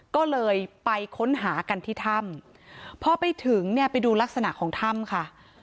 ก็เลยไปค้นหากันที่ถ้ำพอไปถึงเนี่ยไปดูลักษณะของถ้ำค่ะ